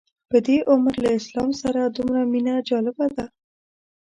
په دې عمر له اسلام سره دومره مینه جالبه ده.